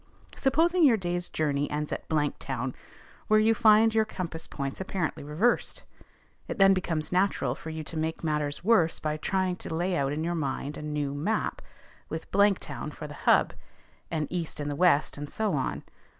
Supposing your day's journey ends at Blanktown, where you find your compass points apparently reversed. It then becomes natural for you to make matters worse by trying to lay out in your mind a new map, with Blanktown for the "hub," and east in the west, and so on.